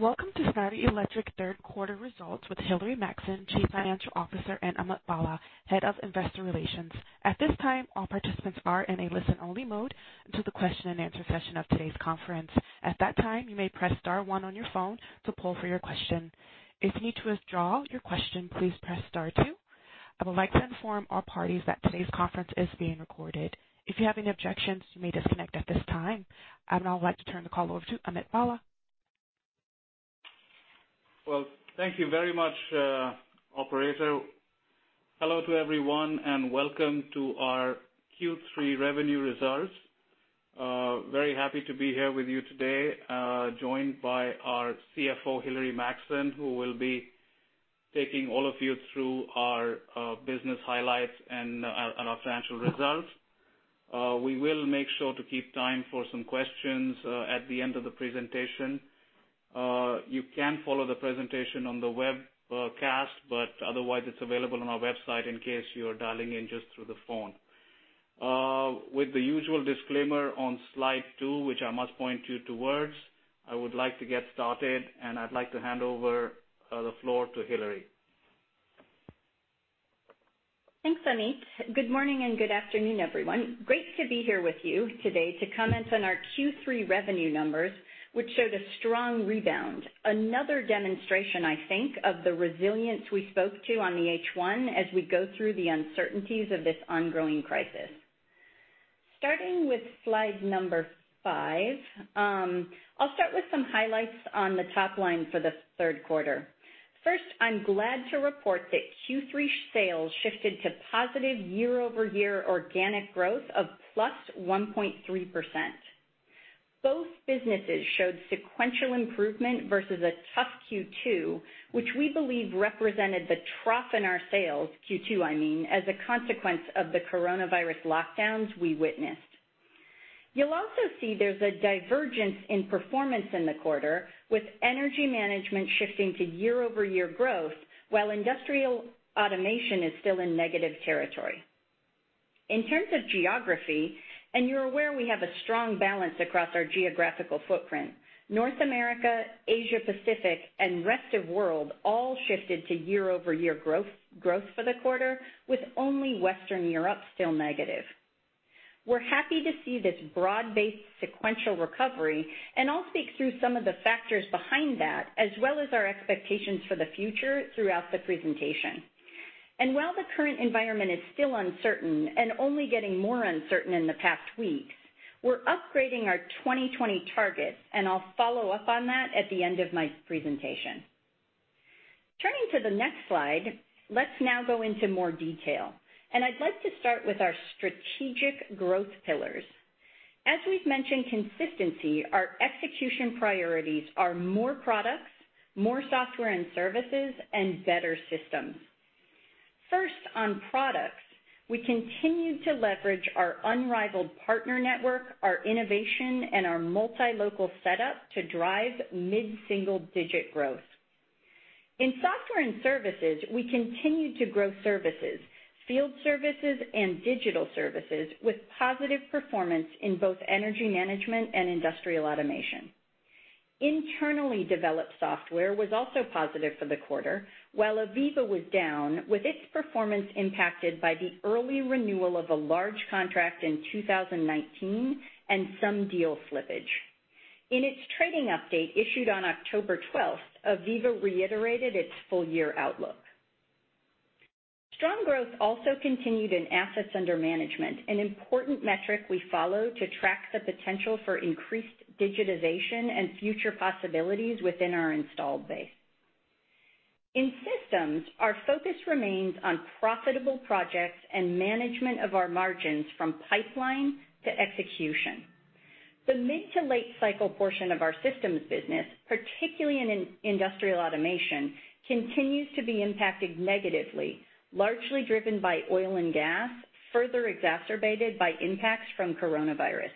Welcome to Schneider Electric third quarter results with Hilary Maxson, Chief Financial Officer, and Amit Bhalla, Head of Investor Relations. At this time, all participants are on a listen only mode, up to the question-and-answer session of the conference. At that time, you may press star one on your phone, to [poll] for your question. If you need to withdraw your question, please press star two. I would like to inform all parties that today's conference is being recorded. If you have any objections, you may disconnect at this time. I'd now like to turn the call over to Amit Bhalla. Well, thank you very much, operator. Hello to everyone. Welcome to our Q3 revenue results. Very happy to be here with you today, joined by our CFO, Hilary Maxson, who will be taking all of you through our business highlights and our financial results. We will make sure to keep time for some questions at the end of the presentation. You can follow the presentation on the webcast. Otherwise, it's available on our website in case you are dialing in just through the phone. With the usual disclaimer on slide two, which I must point you towards, I would like to get started. I'd like to hand over the floor to Hilary. Thanks, Amit. Good morning and good afternoon, everyone. Great to be here with you today to comment on our Q3 revenue numbers, which showed a strong rebound. Another demonstration, I think, of the resilience we spoke to on the H1 as we go through the uncertainties of this ongoing crisis. Starting with slide number five. I'll start with some highlights on the top line for the third quarter. First, I'm glad to report that Q3 sales shifted to positive year-over-year organic growth of +1.3%. Both businesses showed sequential improvement versus a tough Q2, which we believe represented the trough in our sales, Q2, I mean, as a consequence of the coronavirus lockdowns we witnessed. You'll also see there's a divergence in performance in the quarter, with energy management shifting to year-over-year growth, while industrial automation is still in negative territory. In terms of geography, and you're aware we have a strong balance across our geographical footprint. North America, Asia Pacific, and rest of world all shifted to year-over-year growth for the quarter, with only Western Europe still negative. We're happy to see this broad-based sequential recovery, and I'll speak through some of the factors behind that, as well as our expectations for the future throughout the presentation. While the current environment is still uncertain and only getting more uncertain in the past weeks, we're upgrading our 2020 targets, and I'll follow up on that at the end of my presentation. Turning to the next slide, let's now go into more detail, and I'd like to start with our strategic growth pillars. As we've mentioned consistency, our execution priorities are more products, more software and services, and better systems. First, on products, we continue to leverage our unrivaled partner network, our innovation, and our multi-local setup to drive mid-single digit growth. In software and services, we continue to grow services, field services, and digital services, with positive performance in both energy management and industrial automation. Internally developed software was also positive for the quarter, while AVEVA was down, with its performance impacted by the early renewal of a large contract in 2019 and some deal slippage. In its trading update issued on October 12th, AVEVA reiterated its full year outlook. Strong growth also continued in assets under management, an important metric we follow to track the potential for increased digitization and future possibilities within our installed base. In systems, our focus remains on profitable projects and management of our margins from pipeline to execution. The mid to late cycle portion of our systems business, particularly in industrial automation, continues to be impacted negatively, largely driven by oil and gas, further exacerbated by impacts from coronavirus.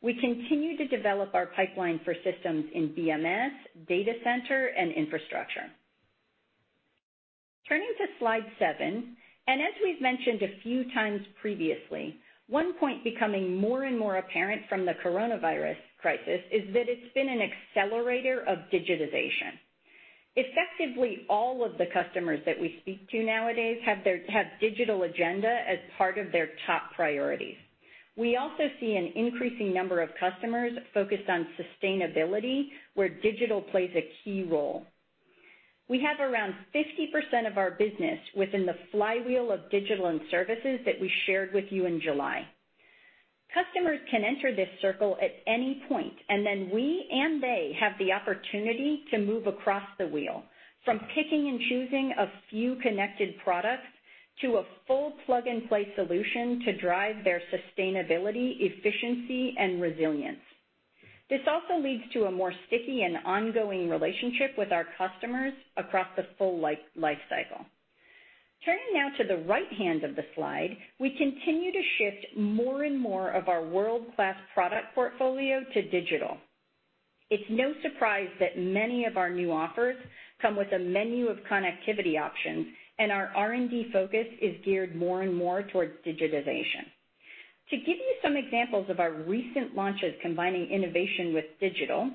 We continue to develop our pipeline for systems in BMS, data center, and infrastructure. Turning to slide seven, as we've mentioned a few times previously, one point becoming more and more apparent from the coronavirus crisis is that it's been an accelerator of digitization. Effectively all of the customers that we speak to nowadays have digital agenda as part of their top priorities. We also see an increasing number of customers focused on sustainability, where digital plays a key role. We have around 50% of our business within the flywheel of digital and services that we shared with you in July. Customers can enter this circle at any point, and then we and they have the opportunity to move across the wheel, from picking and choosing a few connected products to a full plug-and-play solution to drive their sustainability, efficiency, and resilience. This also leads to a more sticky and ongoing relationship with our customers across the full life cycle. Turning now to the right hand of the slide, we continue to shift more and more of our world-class product portfolio to digital. It's no surprise that many of our new offers come with a menu of connectivity options, Our R&D focus is geared more and more towards digitization. To give you some examples of our recent launches combining innovation with digital,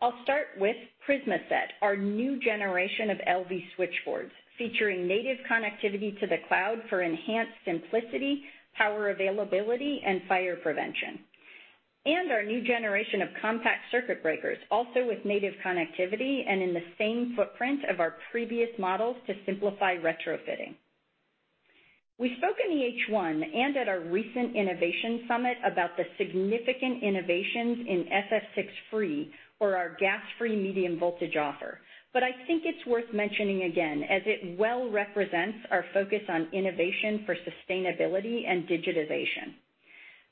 I'll start with PrismaSeT, our new generation of LV switchboards, featuring native connectivity to the cloud for enhanced simplicity, power availability, and fire prevention. Our new generation of compact circuit breakers, also with native connectivity and in the same footprint of our previous models to simplify retrofitting. We spoke in the H1 and at our recent innovation summit about the significant innovations in SF6-free or our gas-free medium voltage offer. I think it's worth mentioning again, as it well represents our focus on innovation for sustainability and digitization.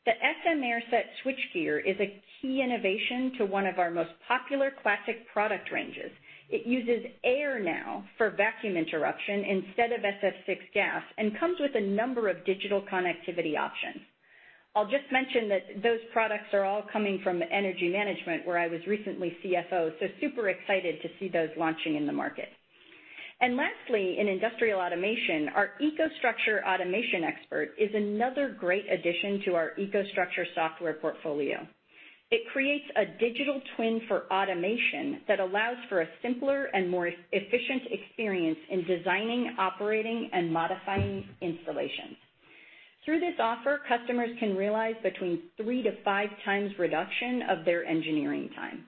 The SM AirSeT switchgear is a key innovation to one of our most popular classic product ranges. It uses air now for vacuum interruption instead of SF6 gas and comes with a number of digital connectivity options. I'll just mention that those products are all coming from energy management, where I was recently CFO, so super excited to see those launching in the market. Lastly, in industrial automation, our EcoStruxure Automation Expert is another great addition to our EcoStruxure software portfolio. It creates a digital twin for automation that allows for a simpler and more efficient experience in designing, operating, and modifying installations. Through this offer, customers can realize between three to five times reduction of their engineering time.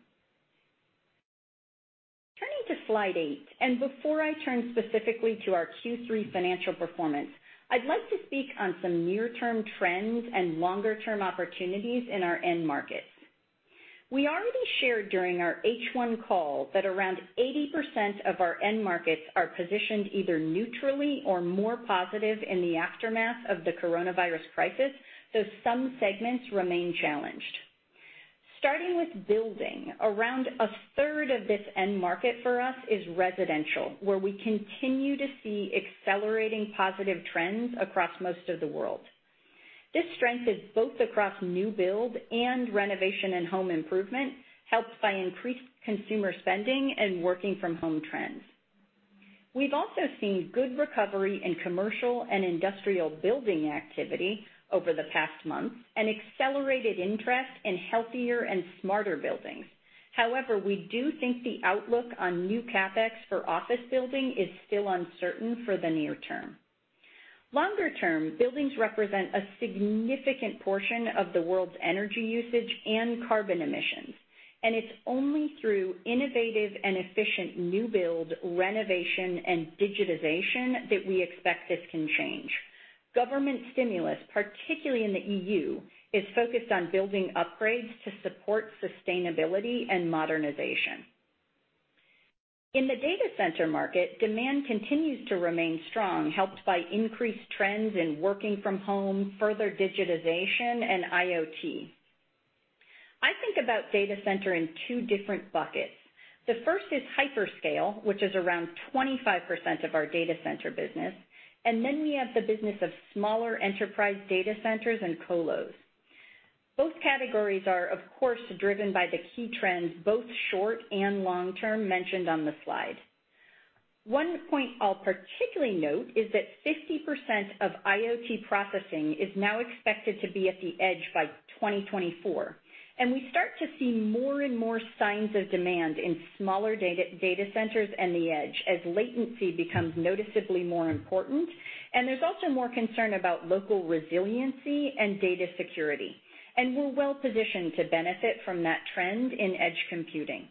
Turning to slide eight, before I turn specifically to our Q3 financial performance, I'd like to speak on some near-term trends and longer-term opportunities in our end markets. We already shared during our H1 call that around 80% of our end markets are positioned either neutrally or more positive in the aftermath of the coronavirus crisis, some segments remain challenged. Starting with building, around a third of this end market for us is residential, where we continue to see accelerating positive trends across most of the world. This strength is both across new build and renovation and home improvement, helped by increased consumer spending and working from home trends. We've also seen good recovery in commercial and industrial building activity over the past months and accelerated interest in healthier and smarter buildings. We do think the outlook on new CapEx for office building is still uncertain for the near term. Longer-term, buildings represent a significant portion of the world's energy usage and carbon emissions, and it's only through innovative and efficient new build, renovation, and digitization that we expect this can change. Government stimulus, particularly in the E.U., is focused on building upgrades to support sustainability and modernization. In the data center market, demand continues to remain strong, helped by increased trends in working from home, further digitization, and IoT. I think about data center in two different buckets. The first is hyperscale, which is around 25% of our data center business, and then we have the business of smaller enterprise data centers and colos. Both categories are, of course, driven by the key trends, both short and long-term, mentioned on the slide. One point I'll particularly note is that 50% of IoT processing is now expected to be at the edge by 2024. We start to see more and more signs of demand in smaller data centers and the edge as latency becomes noticeably more important. There's also more concern about local resiliency and data security. We're well-positioned to benefit from that trend in edge computing.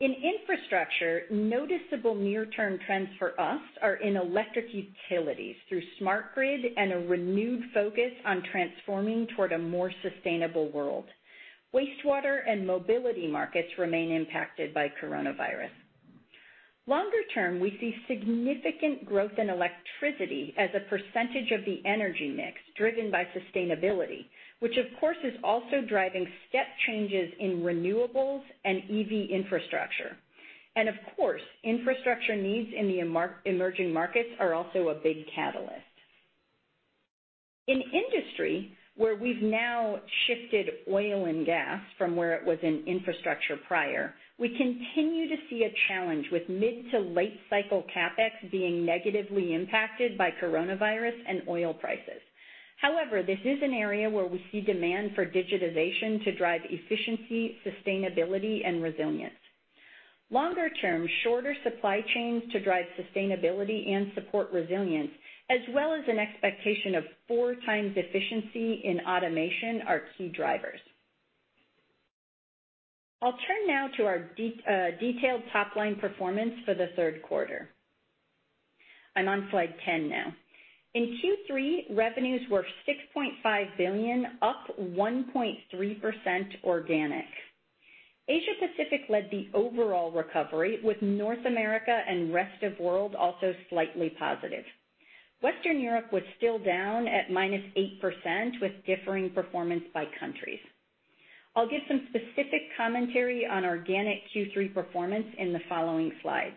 In infrastructure, noticeable near-term trends for us are in electric utilities through smart grid and a renewed focus on transforming toward a more sustainable world. Wastewater and mobility markets remain impacted by coronavirus. Longer term, we see significant growth in electricity as a percentage of the energy mix driven by sustainability, which of course, is also driving step changes in renewables and EV infrastructure. Of course, infrastructure needs in the emerging markets are also a big catalyst. In industry, where we've now shifted oil and gas from where it was in infrastructure prior, we continue to see a challenge with mid to late cycle CapEx being negatively impacted by coronavirus and oil prices. This is an area where we see demand for digitization to drive efficiency, sustainability, and resilience. Longer term, shorter supply chains to drive sustainability and support resilience, as well as an expectation of 4x efficiency in automation are key drivers. I'll turn now to our detailed top-line performance for the third quarter. I'm on slide 10 now. In Q3, revenues were 6.5 billion, up 1.3% organic. Asia Pacific led the overall recovery, with North America and rest of world also slightly positive. Western Europe was still down at -8% with differing performance by countries. I'll give some specific commentary on organic Q3 performance in the following slides.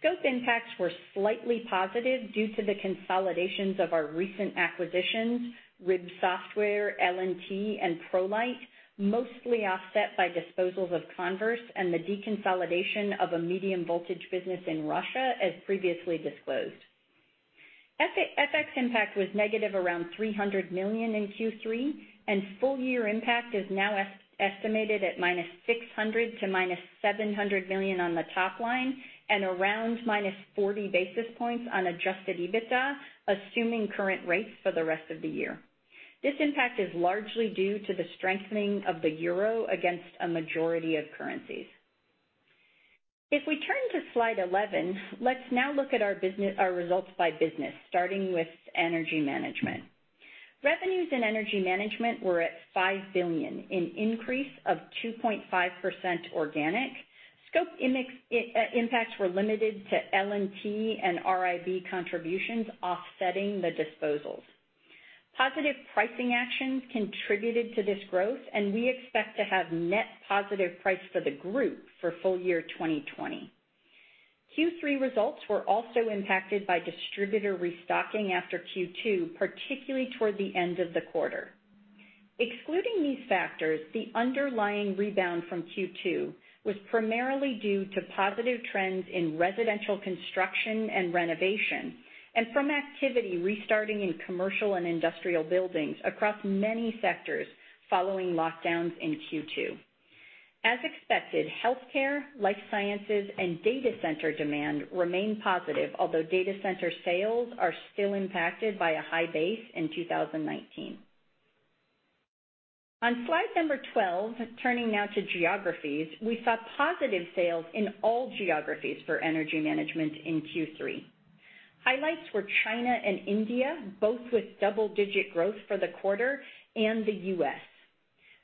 Scope impacts were slightly positive due to the consolidations of our recent acquisitions, RIB Software, L&T, and ProLeiT, mostly offset by disposals of Converse and the deconsolidation of a medium voltage business in Russia, as previously disclosed. FX impact was negative around 300 million in Q3, and full year impact is now estimated at -600 million to -700 million on the top line and around -40 basis points on adjusted EBITDA, assuming current rates for the rest of the year. This impact is largely due to the strengthening of the euro against a majority of currencies. If we turn to slide 11, let's now look at our results by business, starting with Energy Management. Revenues in Energy Management were at 5 billion, an increase of 2.5% organic. Scope impacts were limited to L&T and RIB contributions offsetting the disposals. Positive pricing actions contributed to this growth. We expect to have net positive price for the group for full year 2020. Q3 results were also impacted by distributor restocking after Q2, particularly toward the end of the quarter. Excluding these factors, the underlying rebound from Q2 was primarily due to positive trends in residential construction and renovation, and from activity restarting in commercial and industrial buildings across many sectors following lockdowns in Q2. As expected, healthcare, life sciences, and data center demand remained positive, although data center sales are still impacted by a high base in 2019. On slide number 12, turning now to geographies, we saw positive sales in all geographies for energy management in Q3. Highlights were China and India, both with double-digit growth for the quarter, and the U.S.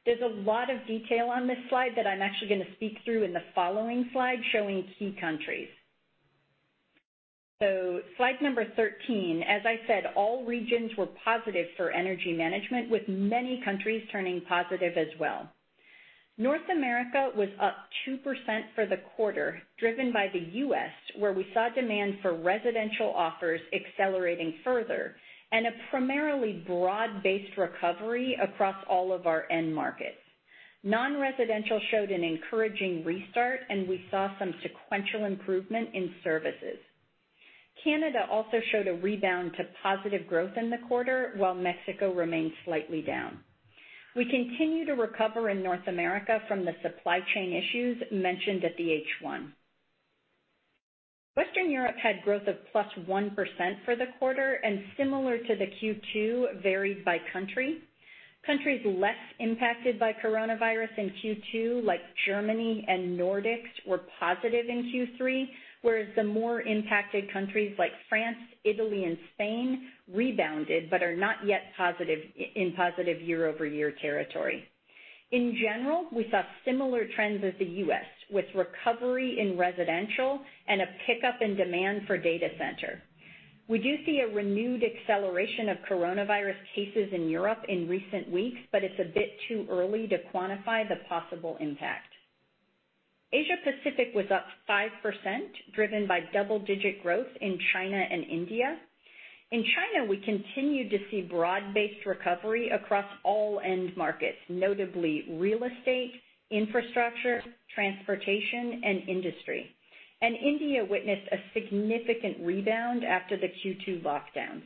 There's a lot of detail on this slide that I'm actually going to speak through in the following slide, showing key countries. Slide number 13, as I said, all regions were positive for Energy Management, with many countries turning positive as well. North America was up 2% for the quarter, driven by the U.S., where we saw demand for residential offers accelerating further and a primarily broad-based recovery across all of our end markets. Non-residential showed an encouraging restart, and we saw some sequential improvement in services. Canada also showed a rebound to positive growth in the quarter, while Mexico remained slightly down. We continue to recover in North America from the supply chain issues mentioned at the H1. Western Europe had growth of +1% for the quarter, and similar to the Q2, varied by country. Countries less impacted by coronavirus in Q2, like Germany and Nordics, were positive in Q3, whereas the more impacted countries like France, Italy, and Spain rebounded but are not yet in positive year-over-year territory. In general, we saw similar trends as the U.S., with recovery in residential and a pickup in demand for data center. We do see a renewed acceleration of coronavirus cases in Europe in recent weeks, but it's a bit too early to quantify the possible impact. Asia Pacific was up 5%, driven by double-digit growth in China and India. In China, we continued to see broad-based recovery across all end markets, notably real estate, infrastructure, transportation, and industry. India witnessed a significant rebound after the Q2 lockdowns.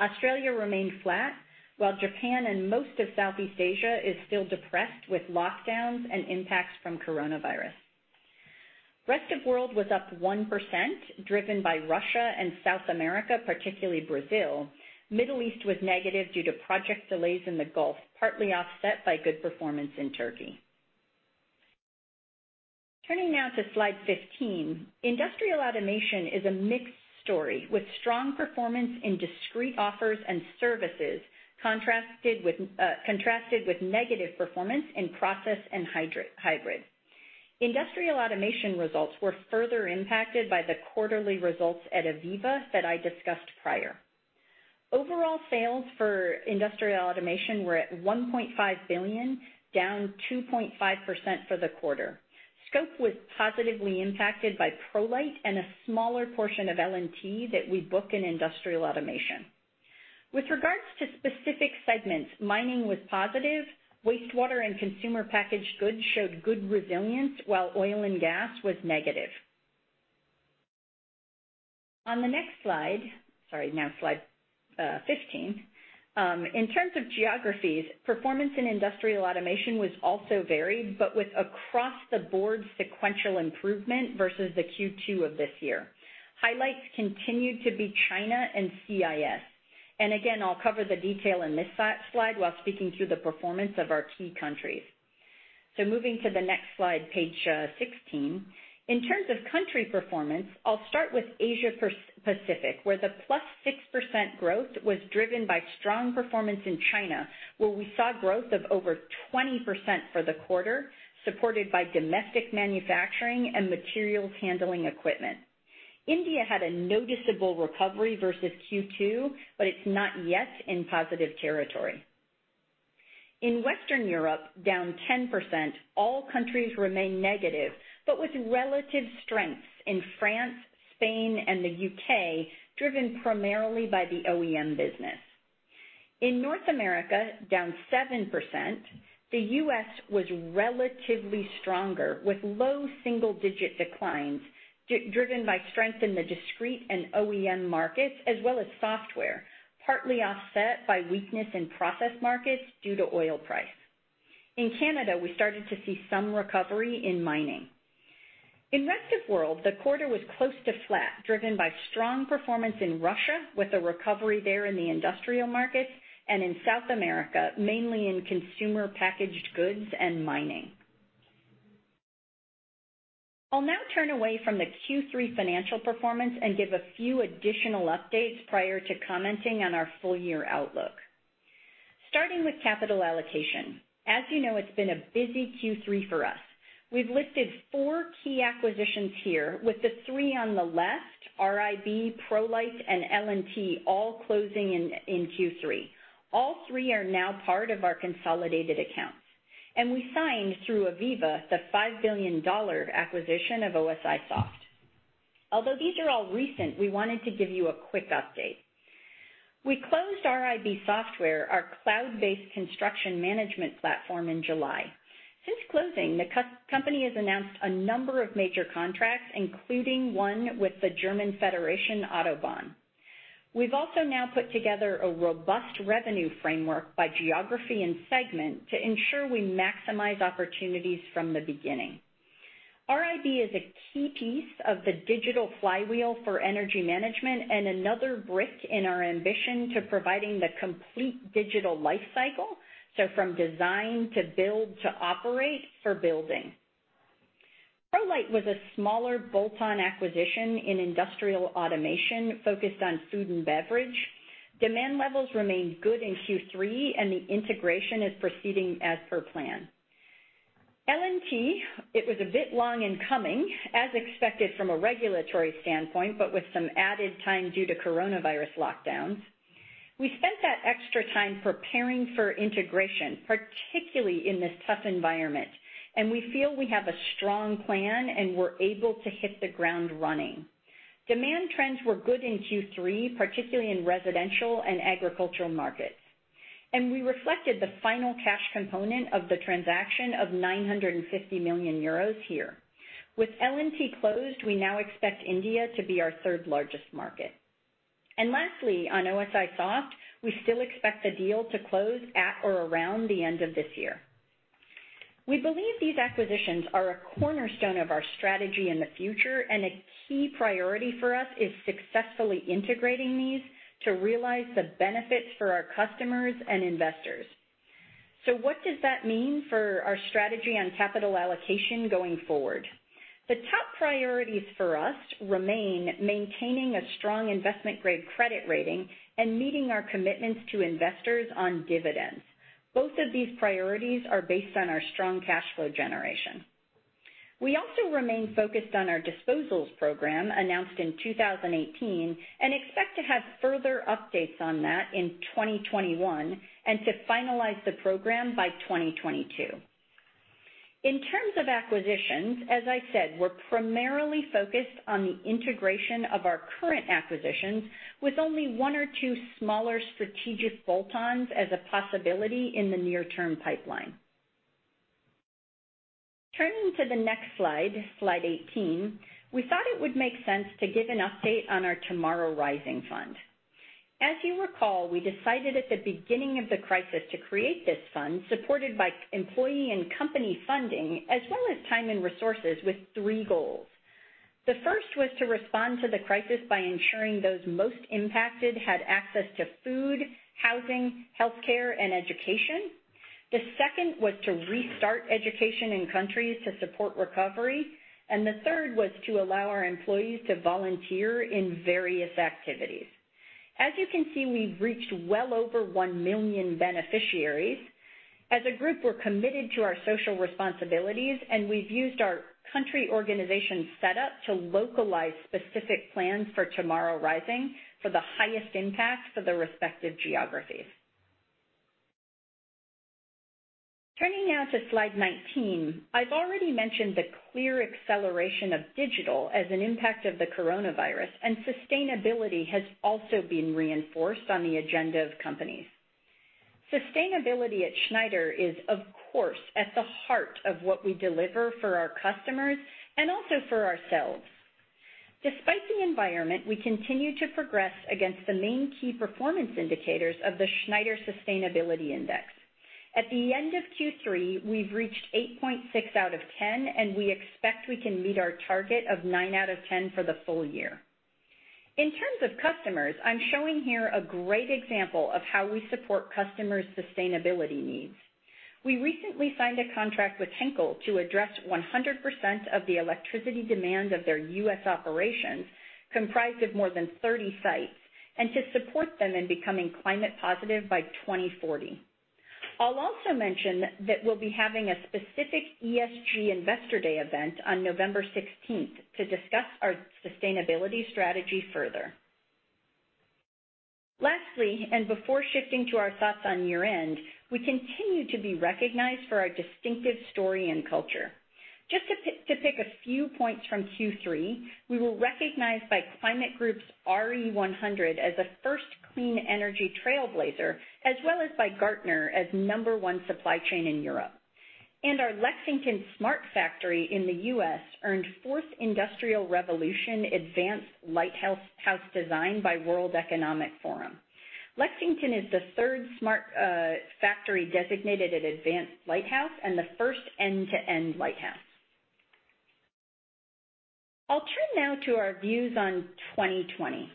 Australia remained flat, while Japan and most of Southeast Asia is still depressed with lockdowns and impacts from coronavirus. Rest of world was up 1%, driven by Russia and South America, particularly Brazil. Middle East was negative due to project delays in the Gulf, partly offset by good performance in Turkey. Turning now to slide 15. Industrial Automation is a mixed story, with strong performance in discrete offers and services contrasted with negative performance in process and hybrid. Industrial Automation results were further impacted by the quarterly results at AVEVA that I discussed prior. Overall sales for Industrial Automation were at 1.5 billion, down 2.5% for the quarter. Scope was positively impacted by ProLeiT and a smaller portion of L&T that we book in Industrial Automation. With regards to specific segments, mining was positive, wastewater and consumer packaged goods showed good resilience, while oil and gas was negative. On the next slide, sorry, now slide 15. In terms of geographies, performance in Industrial Automation was also varied, but with across-the-board sequential improvement versus the Q2 of this year. Highlights continued to be China and CIS. Again, I'll cover the detail in this slide while speaking through the performance of our key countries. Moving to the next slide, page 16. In terms of country performance, I'll start with Asia Pacific, where the +6% growth was driven by strong performance in China, where we saw growth of over 20% for the quarter, supported by domestic manufacturing and materials handling equipment. India had a noticeable recovery versus Q2, but it's not yet in positive territory. In Western Europe, down 10%, all countries remain negative, but with relative strengths in France, Spain, and the U.K., driven primarily by the OEM business. In North America, down 7%, the U.S. was relatively stronger with low single-digit declines, driven by strength in the discrete and OEM markets as well as software, partly offset by weakness in process markets due to oil price. In Canada, we started to see some recovery in mining. In rest of world, the quarter was close to flat, driven by strong performance in Russia, with a recovery there in the industrial markets, and in South America, mainly in consumer packaged goods and mining. I'll now turn away from the Q3 financial performance and give a few additional updates prior to commenting on our full-year outlook. Starting with capital allocation. As you know, it's been a busy Q3 for us. We've listed four key acquisitions here, with the three on the left, RIB, ProLeiT, and L&T, all closing in Q3. All three are now part of our consolidated accounts. We signed, through AVEVA, the $5 billion acquisition of OSIsoft. Although these are all recent, we wanted to give you a quick update. We closed RIB Software, our cloud-based construction management platform, in July. Since closing, the company has announced a number of major contracts, including one with the German Federation, Autobahn. We've also now put together a robust revenue framework by geography and segment to ensure we maximize opportunities from the beginning. RIB is a key piece of the digital flywheel for energy management and another brick in our ambition to providing the complete digital life cycle, so from design to build to operate for building. ProLeiT was a smaller bolt-on acquisition in industrial automation focused on food and beverage. Demand levels remained good in Q3, and the integration is proceeding as per plan. L&T, it was a bit long in coming, as expected from a regulatory standpoint, but with some added time due to coronavirus lockdowns. We spent that extra time preparing for integration, particularly in this tough environment, and we feel we have a strong plan, and we're able to hit the ground running. Demand trends were good in Q3, particularly in residential and agricultural markets. We reflected the final cash component of the transaction of 950 million euros here. With L&T closed, we now expect India to be our third-largest market. Lastly, on OSIsoft, we still expect the deal to close at or around the end of this year. We believe these acquisitions are a cornerstone of our strategy in the future. A key priority for us is successfully integrating these to realize the benefits for our customers and investors. What does that mean for our strategy on capital allocation going forward? The top priorities for us remain maintaining a strong investment-grade credit rating and meeting our commitments to investors on dividends. Both of these priorities are based on our strong cash flow generation. We also remain focused on our disposals program announced in 2018 and expect to have further updates on that in 2021 and to finalize the program by 2022. In terms of acquisitions, as I said, we're primarily focused on the integration of our current acquisitions with only one or two smaller strategic bolt-ons as a possibility in the near-term pipeline. Turning to the next slide 18, we thought it would make sense to give an update on our Tomorrow Rising Fund. As you recall, we decided at the beginning of the crisis to create this fund, supported by employee and company funding, as well as time and resources with three goals. The first was to respond to the crisis by ensuring those most impacted had access to food, housing, healthcare, and education. The second was to restart education in countries to support recovery, the third was to allow our employees to volunteer in various activities. As you can see, we've reached well over 1 million beneficiaries. As a group, we're committed to our social responsibilities, and we've used our country organization setup to localize specific plans for Tomorrow Rising for the highest impact for the respective geographies. Turning now to slide 19, I've already mentioned the clear acceleration of digital as an impact of the coronavirus, and sustainability has also been reinforced on the agenda of companies. Sustainability at Schneider is, of course, at the heart of what we deliver for our customers and also for ourselves. Despite the environment, we continue to progress against the main key performance indicators of the Schneider Sustainability Impact. At the end of Q3, we've reached 8.6 out of 10, and we expect we can meet our target of nine out of 10 for the full year. In terms of customers, I'm showing here a great example of how we support customers' sustainability needs. We recently signed a contract with Henkel to address 100% of the electricity demand of their U.S. operations, comprised of more than 30 sites, and to support them in becoming climate positive by 2040. I'll also mention that we'll be having a specific ESG Investor Day event on November 16th to discuss our sustainability strategy further. Lastly, and before shifting to our thoughts on year-end, we continue to be recognized for our distinctive story and culture. Just to pick a few points from Q3, we were recognized by Climate Group's RE100 as a first clean energy trailblazer, as well as by Gartner as number one supply chain in Europe. Our Lexington smart factory in the U.S. earned Fourth Industrial Revolution advanced lighthouse design by World Economic Forum. Lexington is the third smart factory designated at advanced lighthouse and the first end-to-end lighthouse. I'll turn now to our views on 2020.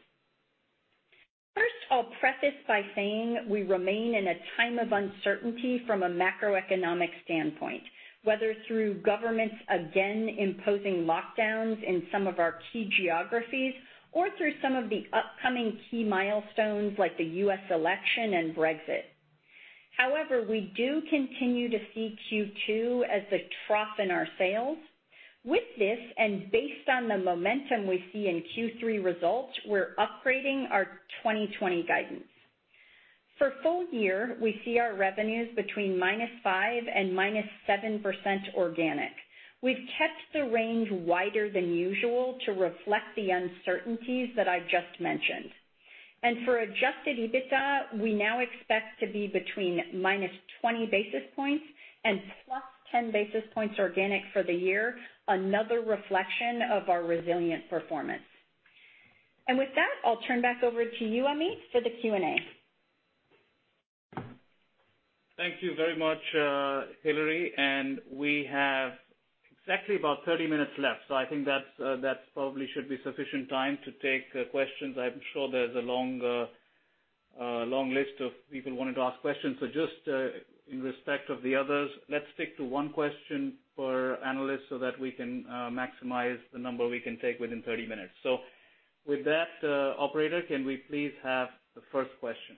I'll preface by saying we remain in a time of uncertainty from a macroeconomic standpoint, whether through governments again imposing lockdowns in some of our key geographies or through some of the upcoming key milestones like the U.S. election and Brexit. We do continue to see Q2 as the trough in our sales. With this, based on the momentum we see in Q3 results, we're upgrading our 2020 guidance. For full year, we see our revenues between -5% and -7% organic. We've kept the range wider than usual to reflect the uncertainties that I've just mentioned. For adjusted EBITDA, we now expect to be between -20 basis points and +10 basis points organic for the year, another reflection of our resilient performance. With that, I'll turn back over to you, Amit, for the Q&A. Thank you very much, Hilary, we have exactly about 30 minutes left. I think that probably should be sufficient time to take questions. I am sure there is a long list of people wanting to ask questions. Just in respect of the others, let us stick to one question per analyst so that we can maximize the number we can take within 30 minutes. With that, operator, can we please have the first question?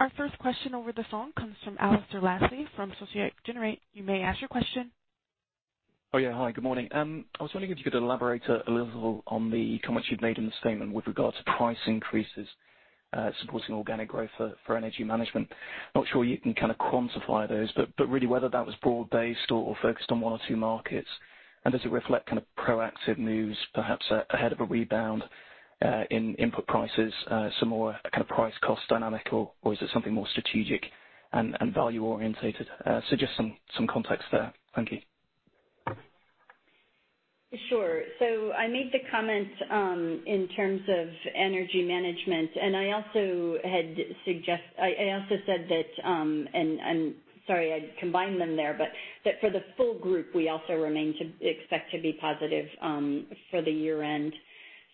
Our first question over the phone comes from Alasdair Leslie from Société Générale. You may ask your question. Oh, yeah. Hi, good morning. I was wondering if you could elaborate a little on the comments you'd made in the statement with regards to price increases, supporting organic growth for Energy Management. Not sure you can kind of quantify those, but really whether that was broad-based or focused on one or two markets, and does it reflect kind of proactive moves perhaps ahead of a rebound in input prices, some more kind of price-cost dynamic, or is it something more strategic and value-oriented? Just some context there. Thank you. Sure. I made the comment in terms of Energy Management, and I also said that, and sorry I combined them there, but that for the full group, we also remain to expect to be positive for the year end.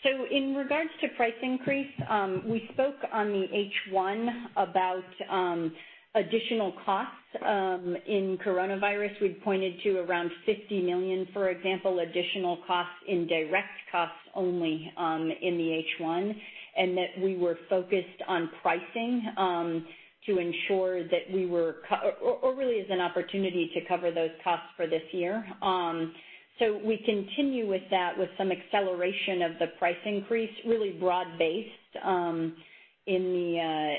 In regards to price increase, we spoke on the H1 about additional costs in coronavirus. We'd pointed to around 50 million, for example, additional costs in direct costs only in the H1, and that we were focused on pricing to ensure that we were or really as an opportunity to cover those costs for this year. We continue with that with some acceleration of the price increase, really broad based in the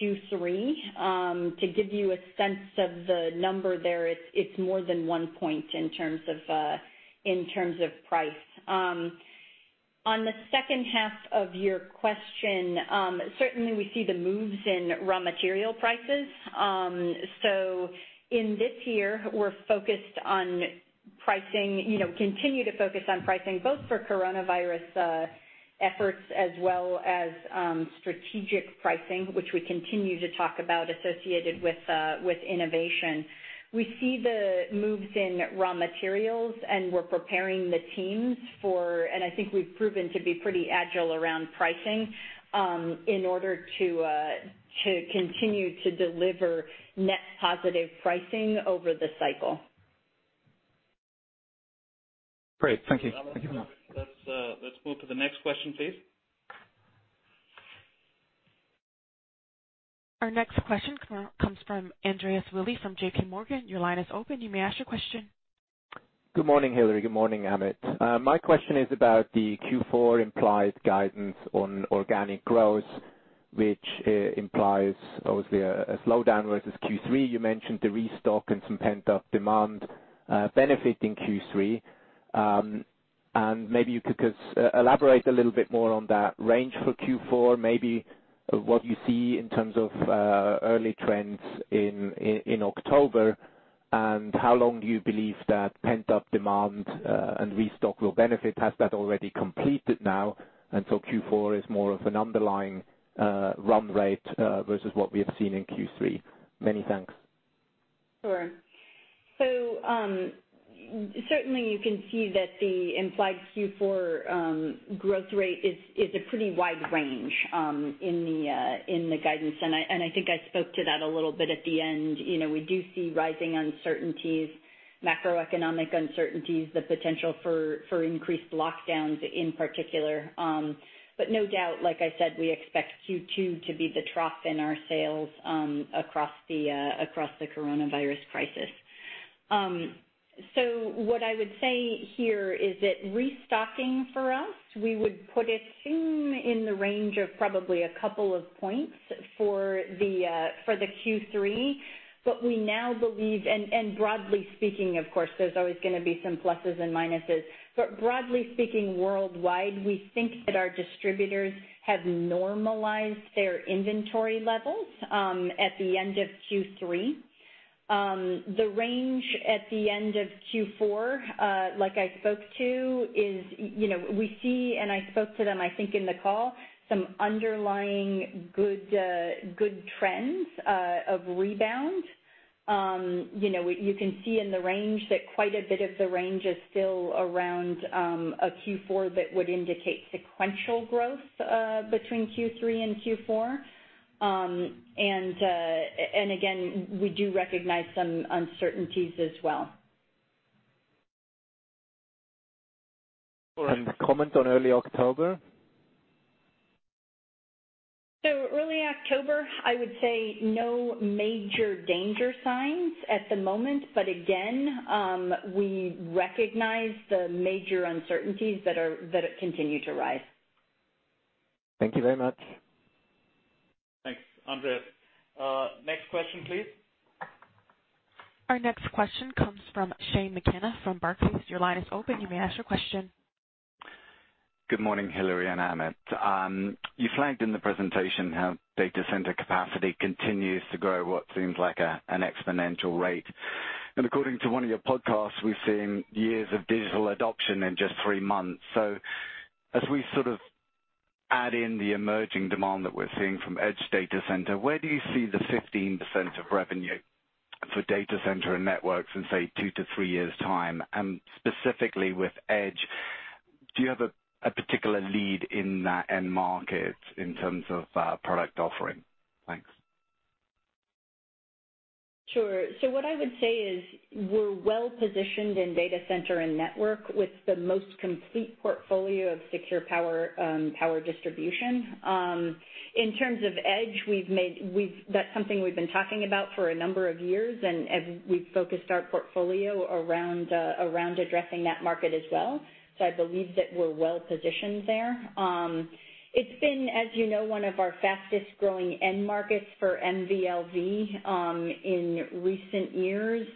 Q3. To give you a sense of the number there, it's more than one point in terms of price. On the second half of your question, certainly we see the moves in raw material prices. In this year we're focused on pricing, continue to focus on pricing, both for coronavirus efforts as well as strategic pricing, which we continue to talk about associated with innovation. We see the moves in raw materials, and we're preparing the teams and I think we've proven to be pretty agile around pricing in order to continue to deliver net positive pricing over the cycle. Great. Thank you. Let's move to the next question, please. Our next question comes from Andreas Willi from JPMorgan. Your line is open. You may ask your question. Good morning, Hilary. Good morning, Amit. My question is about the Q4 implied guidance on organic growth, which implies obviously a slowdown versus Q3. You mentioned the restock and some pent-up demand benefiting Q3. Maybe you could elaborate a little bit more on that range for Q4, maybe what you see in terms of early trends in October, and how long do you believe that pent-up demand and restock will benefit? Has that already completed now, and so Q4 is more of an underlying run rate versus what we have seen in Q3? Many thanks. Sure. Certainly, you can see that the implied Q4 growth rate is a pretty wide range in the guidance. I think I spoke to that a little bit at the end. We do see rising uncertainties, macroeconomic uncertainties, the potential for increased lockdowns in particular. No doubt, like I said, we expect Q2 to be the trough in our sales across the coronavirus crisis. What I would say here is that restocking for us, we would put it in the range of probably a couple of points for the Q3. We now believe, and broadly speaking, of course, there's always going to be some pluses and minuses, but broadly speaking, worldwide, we think that our distributors have normalized their inventory levels at the end of Q3. The range at the end of Q4, like I spoke to, we see, and I spoke to them, I think in the call, some underlying good trends of rebound. You can see in the range that quite a bit of the range is still around a Q4 that would indicate sequential growth between Q3 and Q4. Again, we do recognize some uncertainties as well. Comment on early October? Early October, I would say no major danger signs at the moment. Again, we recognize the major uncertainties that continue to rise. Thank you very much. Thanks, Andreas. Next question please. Our next question comes from Shane McKenna from Barclays. Your line is open. You may ask your question. Good morning, Hilary and Amit. You flagged in the presentation how data center capacity continues to grow what seems like an exponential rate. According to one of your podcasts, we've seen years of digital adoption in just three months. As we sort of add in the emerging demand that we're seeing from Edge Data Center, where do you see the 15% of revenue for data center and networks in, say, two to three years' time? Specifically with Edge, do you have a particular lead in that end market in terms of product offering? Thanks. Sure. What I would say is we're well-positioned in data center and network with the most complete portfolio of secure power distribution. In terms of Edge, that's something we've been talking about for a number of years, and we've focused our portfolio around addressing that market as well. I believe that we're well positioned there. It's been, as you know, one of our fastest-growing end markets for MV/LV in recent years.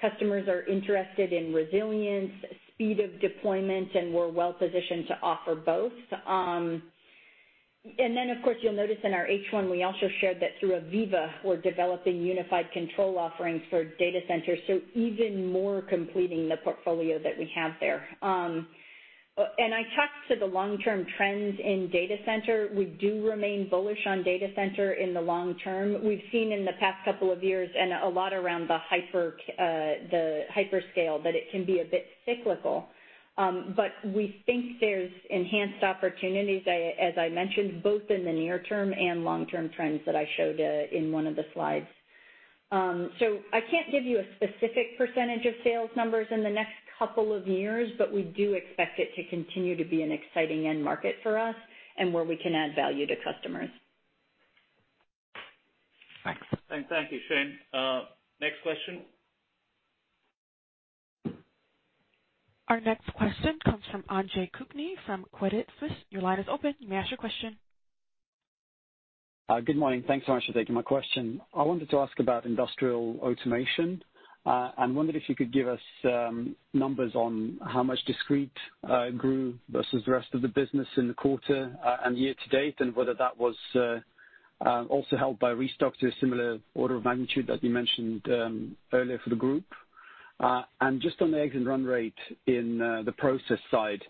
Customers are interested in resilience, speed of deployment, and we're well positioned to offer both. Of course, you'll notice in our H1, we also shared that through AVEVA, we're developing unified control offerings for data centers, so even more completing the portfolio that we have there. I talked to the long-term trends in data center. We do remain bullish on data center in the long term. We've seen in the past couple of years and a lot around the hyperscale, that it can be a bit cyclical. We think there's enhanced opportunities, as I mentioned, both in the near term and long-term trends that I showed in one of the slides. I can't give you a specific percentage of sales numbers in the next couple of years, but we do expect it to continue to be an exciting end market for us and where we can add value to customers. Thanks. Thank you, Shane. Next question. Our next question comes from André Kukhnin from Credit Suisse. Your line is open. You may ask your question. Good morning. Thanks so much for taking my question. I wanted to ask about industrial automation. I am wondering if you could give us numbers on how much discrete grew versus the rest of the business in the quarter and year to date, and whether that was also helped by restock to a similar order of magnitude as you mentioned earlier for the group. Just on the exit run rate in the process side,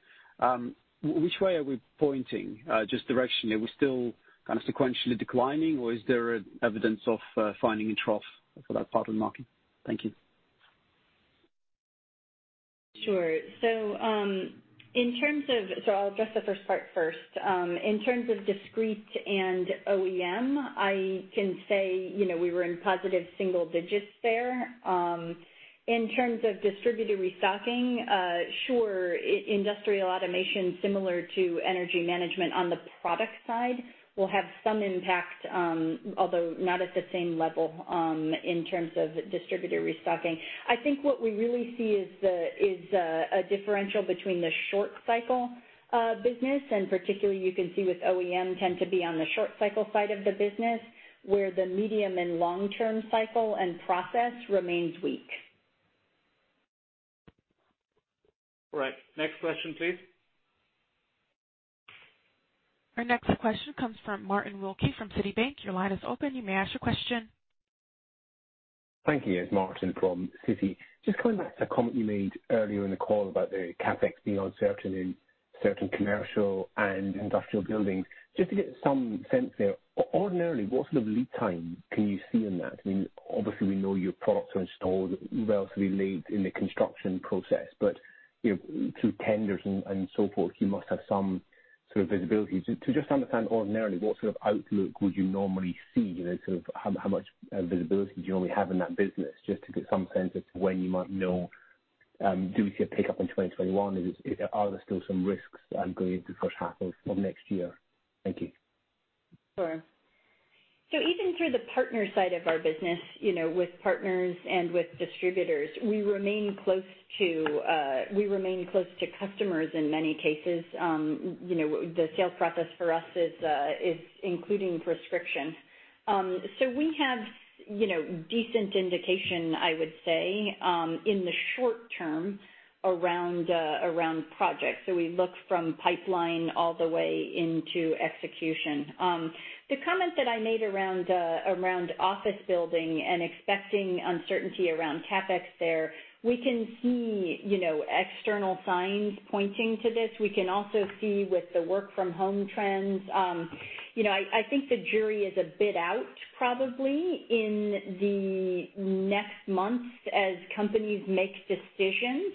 which way are we pointing, just directionally? Are we still kind of sequentially declining, or is there evidence of finding a trough for that part of the market? Thank you. Sure. I'll address the first part first. In terms of discrete and OEM, I can say we were in positive single digits there. In terms of distributor restocking, sure, Industrial Automation, similar to Energy Management on the product side, will have some impact, although not at the same level in terms of distributor restocking. I think what we really see is a differential between the short cycle business, and particularly you can see with OEM tend to be on the short cycle side of the business, where the medium and long-term cycle and process remains weak. All right. Next question, please. Our next question comes from Martin Wilkie from Citi. Your line is open. You may ask your question. Thank you. It's Martin from Citi. Just coming back to a comment you made earlier in the call about the CapEx being uncertain in certain commercial and industrial buildings. Just to get some sense there, ordinarily, what sort of lead time can you see in that? I mean, obviously we know your products are installed relatively late in the construction process, but through tenders and so forth, you must have some sort of visibility. To just understand ordinarily, what sort of outlook would you normally see? How much visibility do you normally have in that business, just to get some sense as to when you might know, do we see a pickup in 2021? Are there still some risks going into the first half of next year? Thank you. Sure. Even through the partner side of our business, with partners and with distributors, we remain close to customers in many cases. The sales process for us is including prescription. We have decent indication, I would say, in the short term around projects. We look from pipeline all the way into execution. The comment that I made around office building and expecting uncertainty around CapEx there, we can see external signs pointing to this. We can also see with the work from home trends. I think the jury is a bit out probably in the next months as companies make decisions.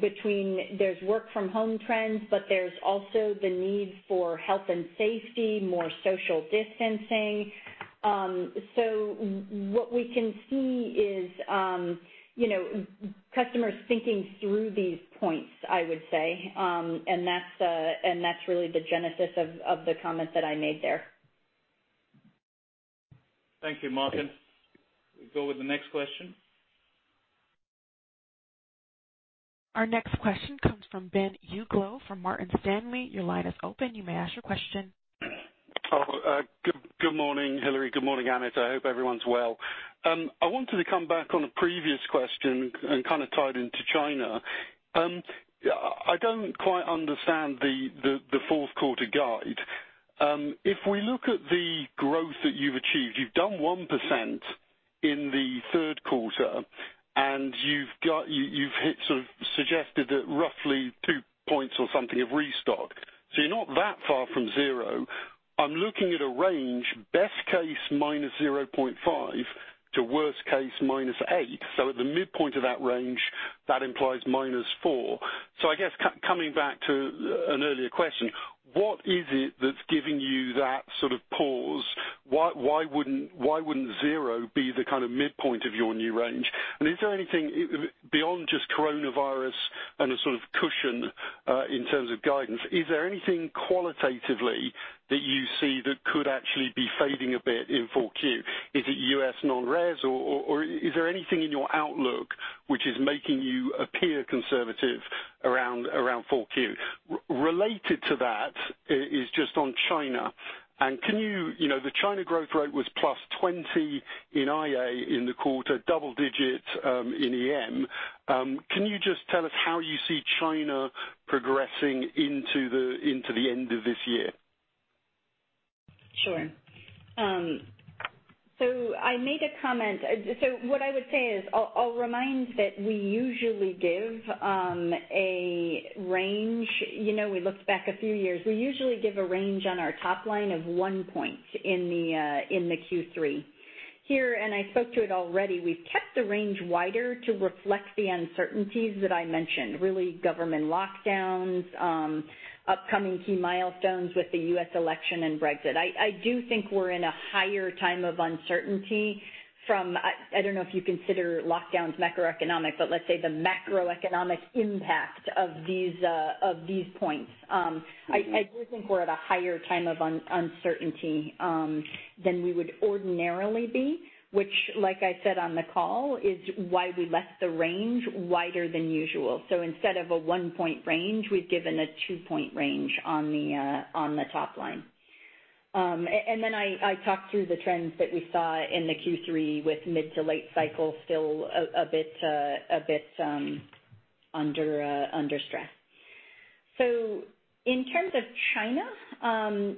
Between there's work from home trends, but there's also the need for health and safety, more social distancing. What we can see is customers thinking through these points, I would say, and that's really the genesis of the comment that I made there. Thank you, Martin. We go with the next question. Our next question comes from Ben Uglow from Morgan Stanley. Your line is open. You may ask your question. Oh, good morning, Hilary. Good morning, Amit. I hope everyone's well. I wanted to come back on a previous question and kind of tied into China. I don't quite understand the fourth quarter guide. If we look at the growth that you've achieved, you've done 1% in the third quarter, and you've hit sort of suggested that roughly two points or something of restock, so you're not that far from zero. I'm looking at a range, best case -0.5 to worst case -8. At the midpoint of that range, that implies -4. I guess coming back to an earlier question, what is it that's giving you that sort of pause? Why wouldn't zero be the kind of midpoint of your new range? Is there anything beyond just coronavirus and a sort of cushion, in terms of guidance, is there anything qualitatively that you see that could actually be fading a bit in 4Q? Is it U.S. non-res, or is there anything in your outlook which is making you appear conservative around 4Q? Related to that is just on China. The China growth rate was +20 in IA in the quarter, double digit, in EM. Can you just tell us how you see China progressing into the end of this year? Sure. I made a comment. What I would say is I'll remind that we usually give a range. We looked back a few years. We usually give a range on our top line of one point in the Q3. Here, I spoke to it already, we've kept the range wider to reflect the uncertainties that I mentioned, really government lockdowns, upcoming key milestones with the U.S. election and Brexit. I do think we're in a higher time of uncertainty from, I don't know if you consider lockdowns macroeconomic, but let's say the macroeconomic impact of these points. I do think we're at a higher time of uncertainty than we would ordinarily be, which like I said on the call, is why we left the range wider than usual. Instead of a one-point range, we've given a two-point range on the top line. I talked through the trends that we saw in the Q3 with mid to late cycle still a bit under stress. In terms of China,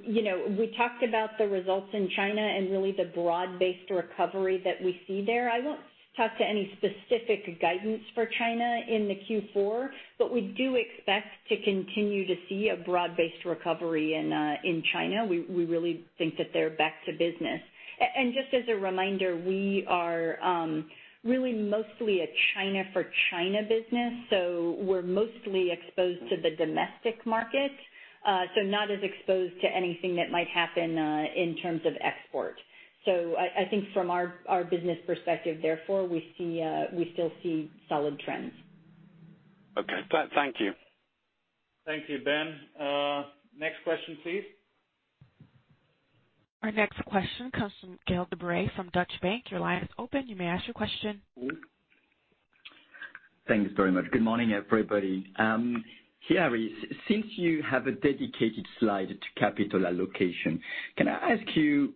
we talked about the results in China and really the broad-based recovery that we see there. I won't talk to any specific guidance for China in the Q4, but we do expect to continue to see a broad-based recovery in China. We really think that they're back to business. Just as a reminder, we are really mostly a China for China business, so we're mostly exposed to the domestic market, so not as exposed to anything that might happen in terms of export. I think from our business perspective, therefore, we still see solid trends. Okay. Thank you. Thank you. Ben. Next question, please. Our next question comes from Gaël de Bray from Deutsche Bank. Your line is open. You may ask your question. Thanks very much. Good morning, everybody. Hilary, since you have a dedicated slide to capital allocation, can I ask you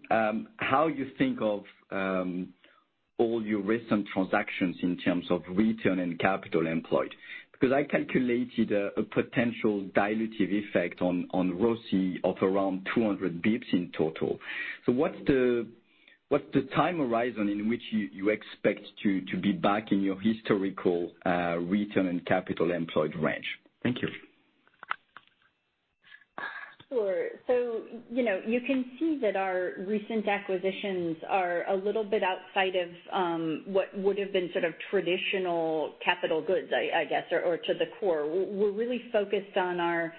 how you think of all your recent transactions in terms of return on capital employed? I calculated a potential dilutive effect on ROCE of around 200 basis points in total. What's the time horizon in which you expect to be back in your historical return on capital employed range? Thank you. Sure. You can see that our recent acquisitions are a little bit outside of what would have been sort of traditional capital goods, I guess, or to the core. We're really focused on our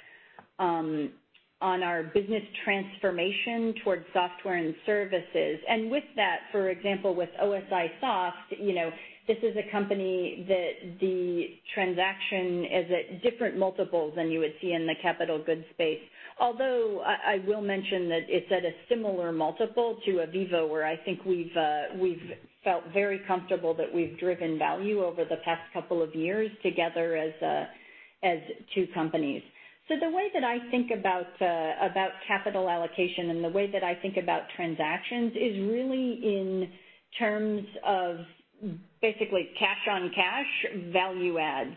business transformation towards software and services. With that, for example, with OSIsoft, this is a company that the transaction is at different multiples than you would see in the capital goods space. Although, I will mention that it's at a similar multiple to AVEVA, where I think we've felt very comfortable that we've driven value over the past couple of years together as two companies. The way that I think about capital allocation and the way that I think about transactions is really in terms of basically cash-on-cash value add.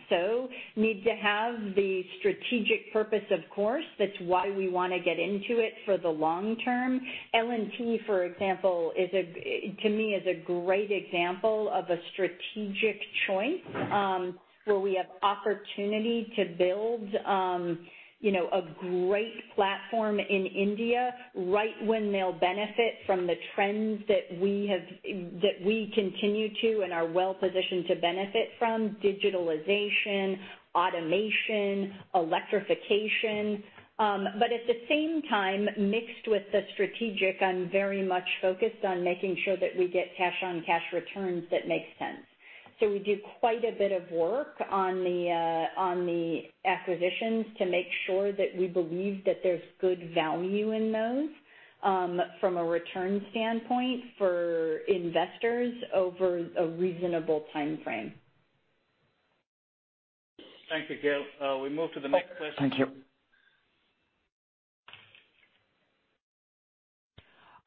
Need to have the strategic purpose, of course, that's why we want to get into it for the long term. L&T, for example, to me, is a great example of a strategic choice, where we have opportunity to build a great platform in India, right when they'll benefit from the trends that we continue to and are well-positioned to benefit from, digitalization, automation, electrification. At the same time, mixed with the strategic, I'm very much focused on making sure that we get cash-on-cash returns that make sense. We do quite a bit of work on the acquisitions to make sure that we believe that there's good value in those from a return standpoint for investors over a reasonable timeframe. Thank you, Gaël. We move to the next question. Thank you.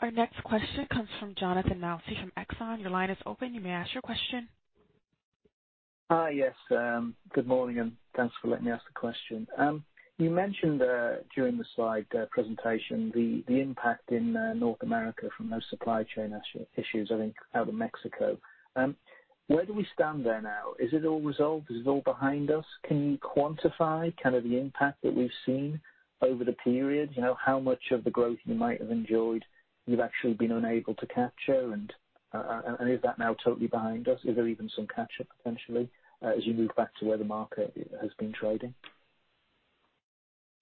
Our next question comes from Jonathan Mounsey from Exane BNP Paribas. Your line is open. You may ask your question. Hi, yes. Good morning, and thanks for letting me ask the question. You mentioned, during the slide presentation, the impact in North America from those supply chain issues, I think out of Mexico. Where do we stand there now? Is it all resolved? Is it all behind us? Can you quantify the impact that we've seen over the period? How much of the growth you might have enjoyed you've actually been unable to capture? Is that now totally behind us? Is there even some catch-up potentially, as you move back to where the market has been trading?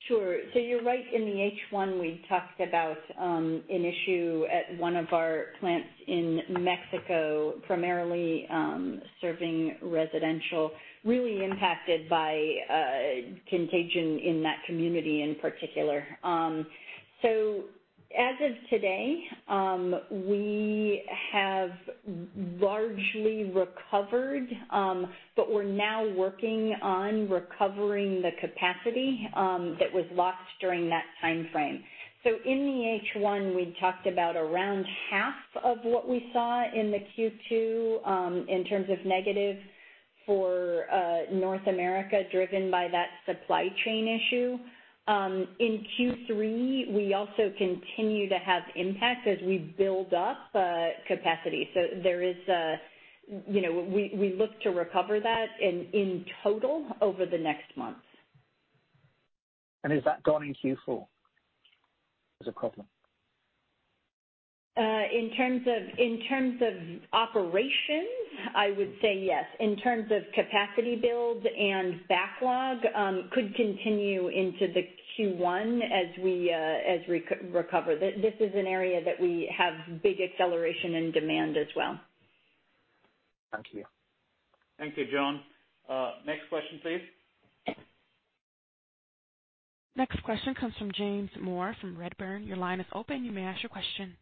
Sure. You're right. In the H1, we talked about an issue at one of our plants in Mexico, primarily serving residential, really impacted by contagion in that community in particular. As of today, we have largely recovered, but we're now working on recovering the capacity that was lost during that timeframe. In the H1, we talked about around half of what we saw in the Q2, in terms of negative for North America, driven by that supply chain issue. In Q3, we also continue to have impact as we build up capacity. We look to recover that in total over the next months. Is that gone in Q4 as a problem? In terms of operations, I would say yes. In terms of capacity build and backlog, could continue into the Q1 as we recover. This is an area that we have big acceleration in demand as well. Thank you. Thank you, Jon. Next question, please. Next question comes from James Moore from Redburn. Your line is open. You may ask your question.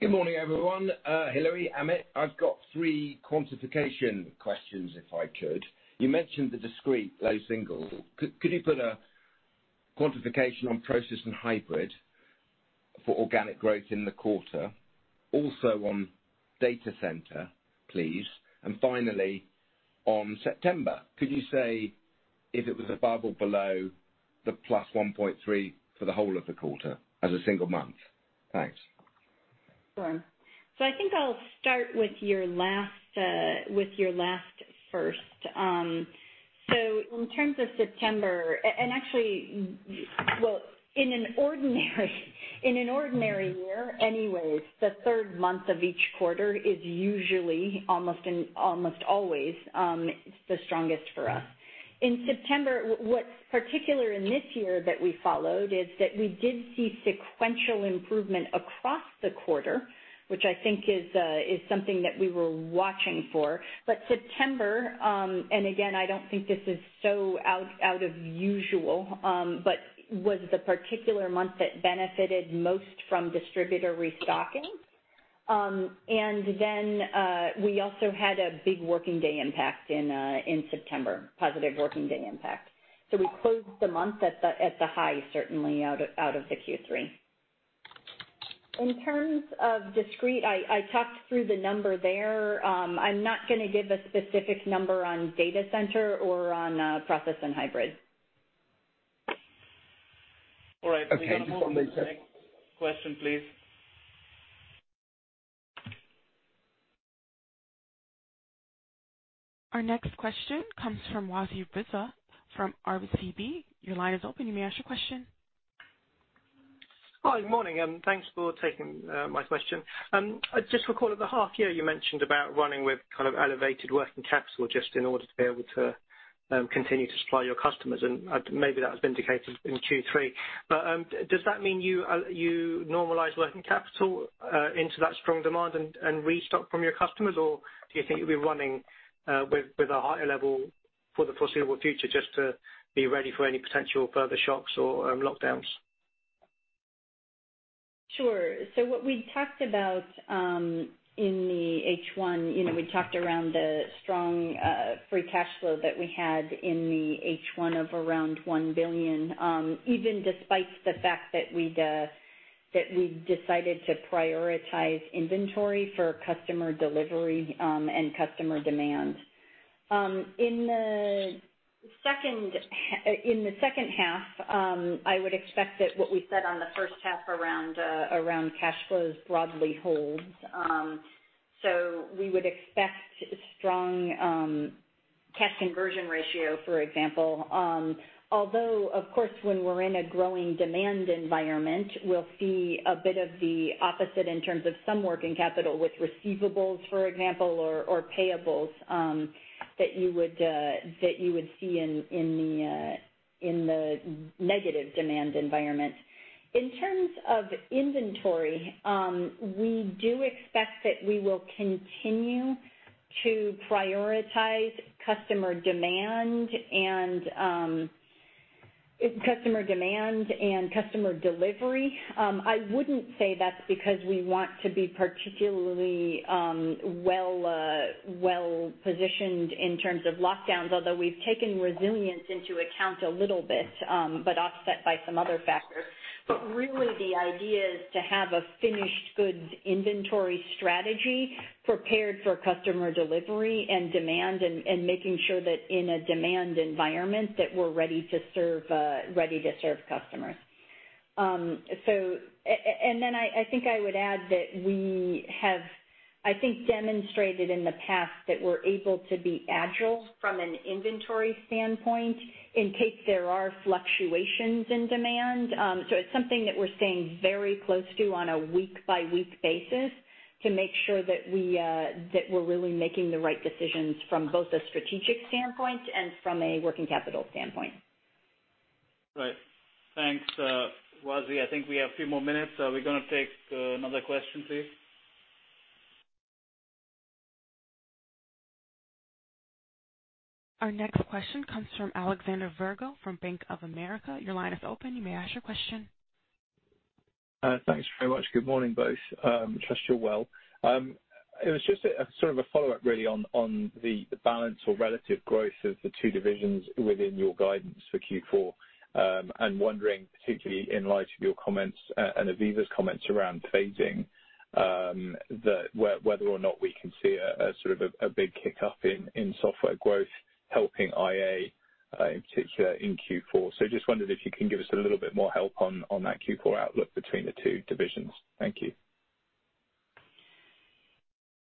Good morning, everyone. Hilary, Amit, I've got three quantification questions, if I could. You mentioned the discrete low single. Could you put a quantification on process and hybrid for organic growth in the quarter? Also on data center, please. Finally, on September, could you say if it was above or below the +1.3 for the whole of the quarter as a single month? Thanks. Sure. I think I'll start with your last first. In terms of September, actually, well, in an ordinary year anyways, the third month of each quarter is usually, almost always, the strongest for us. In September, what's particular in this year that we followed is that we did see sequential improvement across the quarter, which I think is something that we were watching for. September, and again, I don't think this is so out of usual, but was the particular month that benefited most from distributor restocking. We also had a big working day impact in September, positive working day impact. We closed the month at the high, certainly, out of the Q3. In terms of discrete, I talked through the number there. I'm not going to give a specific number on data center or on process and hybrid. All right. We're going to move to the next question, please. Our next question comes from Wasi Rizvi from RBC. Your line is open. You may ask your question. Hi, good morning. Thanks for taking my question. I just recall at the half year you mentioned about running with kind of elevated working capital just in order to be able to continue to supply your customers, and maybe that was indicated in Q3. Does that mean you normalize working capital into that strong demand and restock from your customers, or do you think you'll be running with a higher level for the foreseeable future just to be ready for any potential further shocks or lockdowns? Sure. What we talked about in the H1, we talked around the strong free cash flow that we had in the H1 of around 1 billion, even despite the fact that we decided to prioritize inventory for customer delivery and customer demand. In the second half, I would expect that what we said on the first half around cash flows broadly holds. We would expect strong cash conversion ratio, for example. Although, of course, when we're in a growing demand environment, we'll see a bit of the opposite in terms of some working capital with receivables, for example, or payables, that you would see in the negative demand environment. In terms of inventory, we do expect that we will continue to prioritize customer demand and customer delivery. I wouldn't say that's because we want to be particularly well positioned in terms of lockdowns, although we've taken resilience into account a little bit, offset by some other factors. Really the idea is to have a finished goods inventory strategy prepared for customer delivery and demand and making sure that in a demand environment that we're ready to serve customers. Then I think I would add that we have, I think, demonstrated in the past that we're able to be agile from an inventory standpoint in case there are fluctuations in demand. It's something that we're staying very close to on a week-by-week basis to make sure that we're really making the right decisions from both a strategic standpoint and from a working capital standpoint. Right. Thanks, Wasi. I think we have a few more minutes. Are we going to take another question, please? Our next question comes from Alexander Virgo from Bank of America. Your line is open. You may ask your question. Thanks very much. Good morning, both. Trust you're well. It was just sort of a follow-up, really, on the balance or relative growth of the two divisions within your guidance for Q4. I'm wondering, particularly in light of your comments and AVEVA's comments around phasing, whether or not we can see a big kick up in software growth helping IA, in particular in Q4. Just wondered if you can give us a little bit more help on that Q4 outlook between the two divisions. Thank you.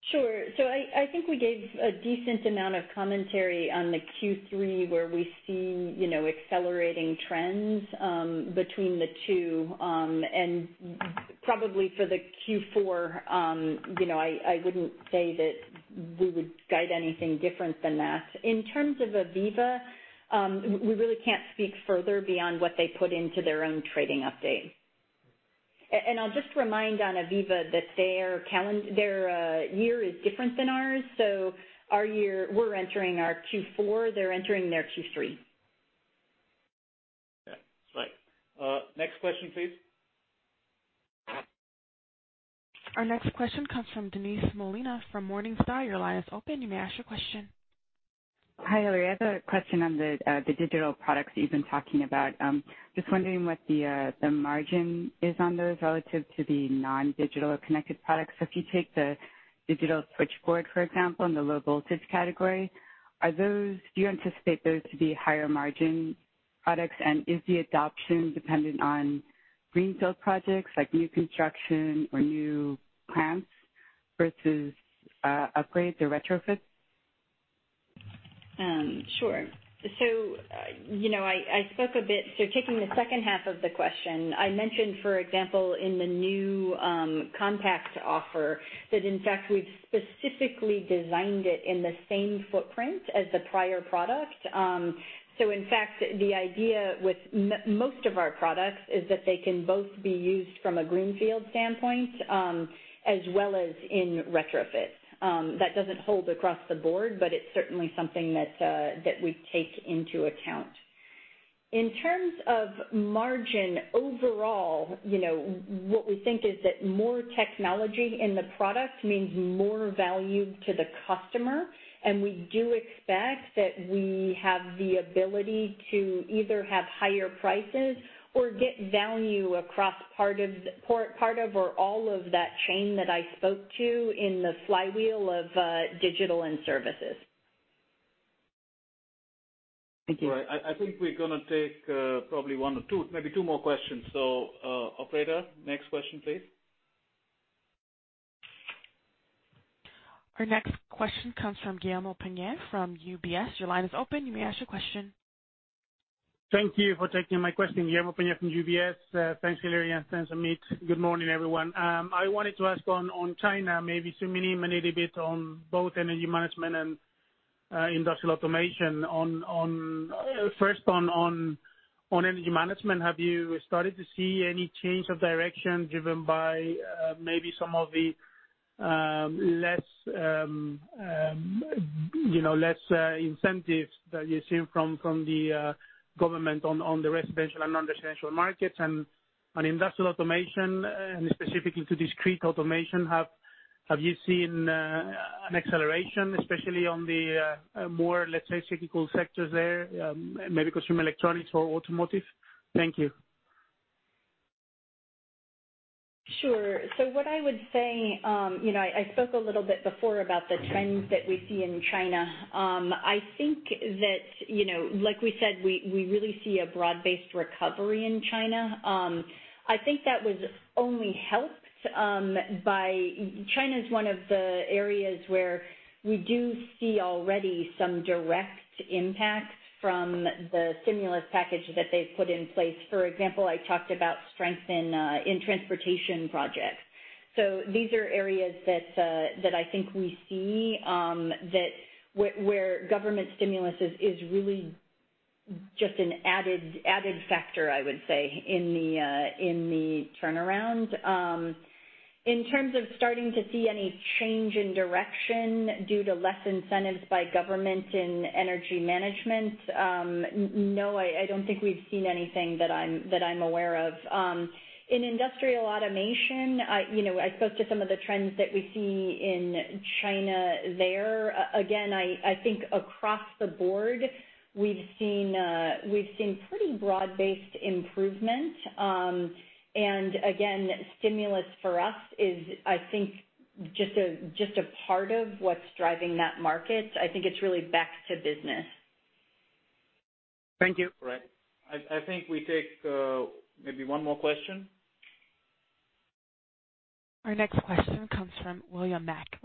Sure. I think we gave a decent amount of commentary on the Q3 where we see accelerating trends between the two, and probably for the Q4, I wouldn't say that we would guide anything different than that. In terms of AVEVA, we really can't speak further beyond what they put into their own trading update. I'll just remind on AVEVA that their year is different than ours. Our year, we're entering our Q4, they're entering their Q3. Yeah. Right. Next question, please. Our next question comes from Denise Molina from Morningstar. Your line is open. You may ask your question. Hi, Hilary. I have a question on the digital products that you've been talking about. Just wondering what the margin is on those relative to the non-digital connected products. If you take the digital switchboard, for example, in the low voltage category, do you anticipate those to be higher margin products? Is the adoption dependent on greenfield projects, like new construction or new plants, versus upgrade to retrofit? Sure. I spoke a bit. Taking the second half of the question, I mentioned, for example, in the new compact offer, that in fact we've specifically designed it in the same footprint as the prior product. In fact, the idea with most of our products is that they can both be used from a greenfield standpoint, as well as in retrofit. That doesn't hold across the board, but it's certainly something that we take into account. In terms of margin, overall, what we think is that more technology in the product means more value to the customer, and we do expect that we have the ability to either have higher prices or get value across part of or all of that chain that I spoke to in the flywheel of digital end services. Thank you. All right. I think we're going to take probably one or two, maybe two more questions. Operator, next question, please. Our next question comes from Guillermo Peigneux from UBS. Your line is open. You may ask your question. Thank you for taking my question. Guillermo Peigneux from UBS. Thanks, Hilary, and thanks, Amit. Good morning, everyone. I wanted to ask on China, maybe zooming in a little bit on both energy management and industrial automation. First, on energy management, have you started to see any change of direction driven by maybe some of the less incentives that you're seeing from the government on the residential and non-residential markets? On industrial automation, and specifically to discrete automation, have you seen an acceleration, especially on the more, let's say, technical sectors there, maybe consumer electronics or automotive? Thank you. Sure. What I would say, I spoke a little bit before about the trends that we see in China. I think that, like we said, we really see a broad-based recovery in China. I think that was only helped by China's one of the areas where we do see already some direct impact from the stimulus package that they've put in place. For example, I talked about strength in transportation projects. These are areas that I think we see where government stimulus is really just an added factor, I would say, in the turnaround. In terms of starting to see any change in direction due to less incentives by government in energy management, no, I don't think we've seen anything that I'm aware of. In industrial automation, I spoke to some of the trends that we see in China there. Again, I think across the board, we've seen pretty broad-based improvement. Again, stimulus for us is, I think, just a part of what's driving that market. I think it's really back to business. Thank you. Great. I think we take maybe one more question. Our next question comes from William Mackie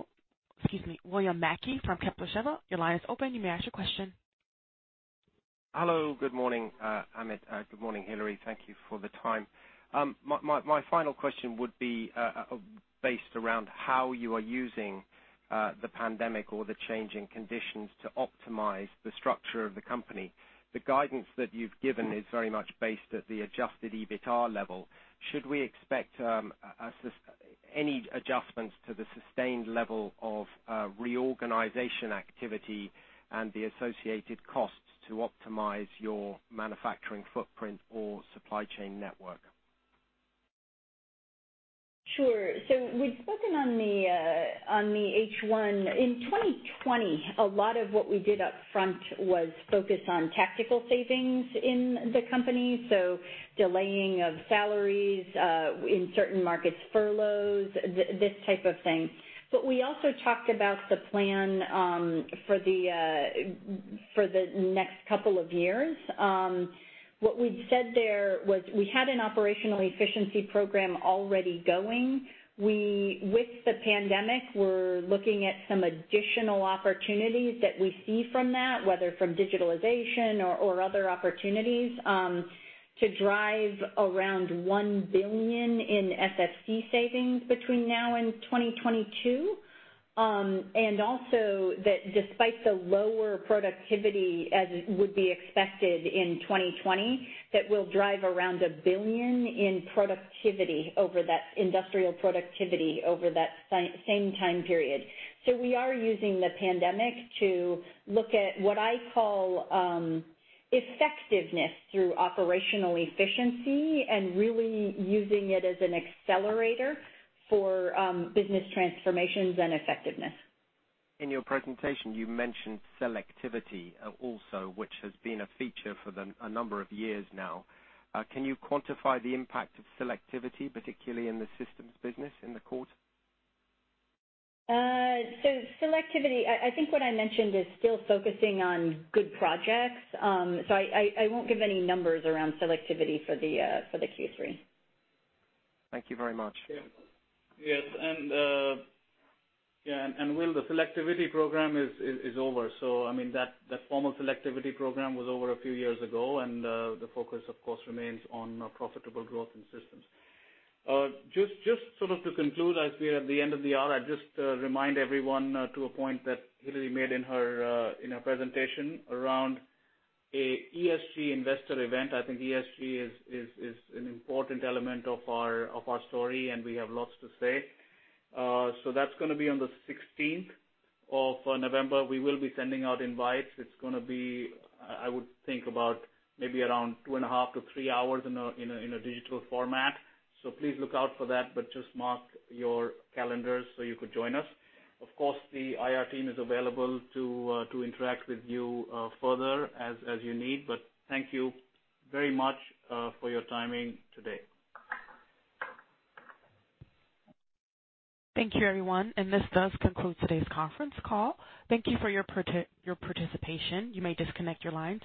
from Kepler Cheuvreux. Your line is open. You may ask your question. Hello. Good morning, Amit. Good morning, Hilary. Thank you for the time. My final question would be based around how you are using the pandemic or the changing conditions to optimize the structure of the company. The guidance that you've given is very much based at the adjusted EBITA level. Should we expect any adjustments to the sustained level of reorganization activity and the associated costs to optimize your manufacturing footprint or supply chain network? Sure. We've spoken on the H1. In 2020, a lot of what we did up front was focused on tactical savings in the company, so delaying of salaries, in certain markets, furloughs, this type of thing. We also talked about the plan for the next couple of years. What we've said there was we had an operational efficiency program already going. With the pandemic, we're looking at some additional opportunities that we see from that, whether from digitalization or other opportunities, to drive around 1 billion in SFC savings between now and 2022. Also, that despite the lower productivity as would be expected in 2020, we'll drive around 1 billion in industrial productivity over that same time period. We are using the pandemic to look at what I call effectiveness through operational efficiency and really using it as an accelerator for business transformations and effectiveness. In your presentation, you mentioned selectivity also, which has been a feature for a number of years now. Can you quantify the impact of selectivity, particularly in the systems business in the quarter? Selectivity, I think what I mentioned is still focusing on good projects. I won't give any numbers around selectivity for the Q3. Thank you very much. Yes. Will, the selectivity program is over. That formal selectivity program was over a few years ago, and the focus, of course, remains on profitable growth in systems. Just sort of to conclude as we are at the end of the hour, I'd just remind everyone to a point that Hilary made in her presentation around a ESG investor event. I think ESG is an important element of our story, and we have lots to say. That's going to be on the 16th of November. We will be sending out invites. It's going to be, I would think about maybe around two and a half to three hours in a digital format. Please look out for that, but just mark your calendars so you could join us. Of course, the IR team is available to interact with you further as you need. Thank you very much for your timing today. Thank you, everyone. This does conclude today's conference call. Thank you for your participation. You may disconnect your lines.